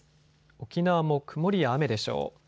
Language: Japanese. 沖縄も曇りや雨でしょう。